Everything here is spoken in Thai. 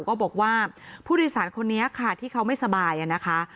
ก็บอกว่าผู้โดยสารคนนี้ค่ะที่เขาไม่สบายนะคะ